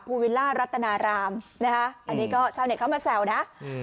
วิลล่ารัตนารามนะคะอันนี้ก็ชาวเน็ตเข้ามาแซวนะอืม